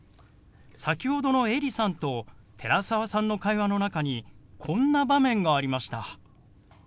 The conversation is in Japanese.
先ほどのエリさんと寺澤さんの会話の中にこんな場面がありました。